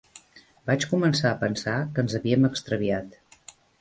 Vaig començar a pensar que ens havíem extraviat.